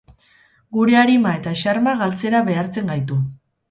Gure arima eta xarma galtzera behartzen gaitu.